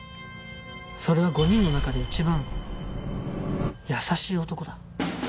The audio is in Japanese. それは５人の中で一番優しい男だ。